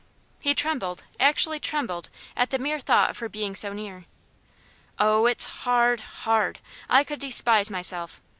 He trembled, actually trembled, at the mere thought of her being so near. "Oh, it's hard, hard! I could despise myself.